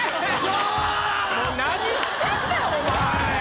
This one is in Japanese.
うわ‼何してんねんお前。